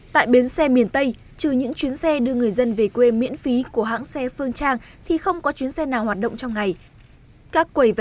tại bến xe miền tây trừ những chuyến xe đưa người dân về quê miễn phí của hãng xe phương trang thì không có chuyến xe nào hoạt động trong ngày